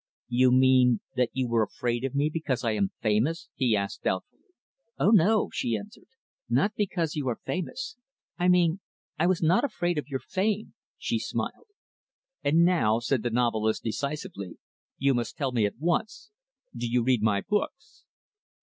"You mean that you were afraid of me because I am famous?" he asked doubtfully. "Oh no," she answered, "not because you are famous. I mean I was not afraid of your fame," she smiled. "And now," said the novelist decisively, "you must tell me at once do you read my books?"